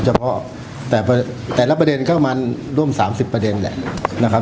เฉพาะแต่แต่ละประเด็นก็มันร่วม๓๐ประเด็นแหละนะครับ